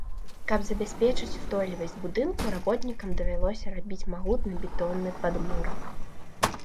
Каб забяспечыць устойлівасць будынку, работнікам давялося рабіць магутны бетонны падмурак.